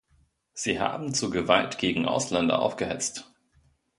Sie haben zu Gewalt gegen Ausländer aufgehetzt.